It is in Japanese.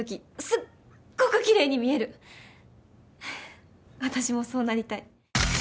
すっごくきれいに見える私もそうなりたい